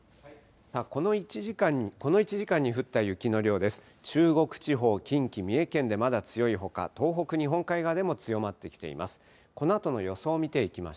この１時間に降った雪の量です。